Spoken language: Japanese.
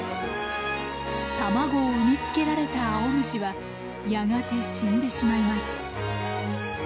卵を産み付けられたアオムシはやがて死んでしまいます。